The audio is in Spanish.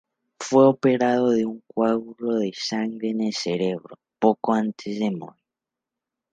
Fue operado de un coágulo de sangre en el cerebro poco antes de morir.